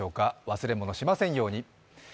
忘れ物しませんように。